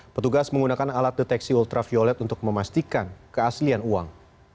petugas menggunakan alat deteksi ultraviolet untuk memastikan keaslian uang